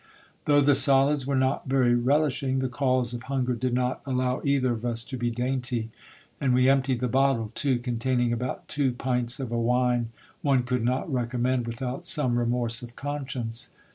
Though the solids were not very relishing, the calls of hunger did not allow either of us to be dainty ; and we emptied the bottle too, containing about two pints of a wine one could not recommend without some remorse of conscience.